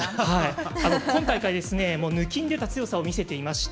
今大会抜きに出た強さを見せていて。